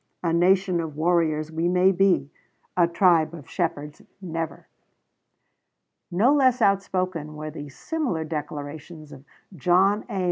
A nation of warriors we may be; a tribe of shepherds never. No less outspoken were the similar declarations of John A.